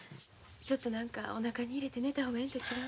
ちょっと何かおなかに入れて寝た方がええんと違う？